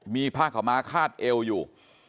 มีผ้าขาวม้าคาดเอวอยู่